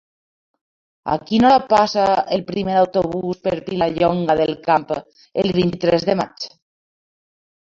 A quina hora passa el primer autobús per Vilallonga del Camp el vint-i-tres de maig?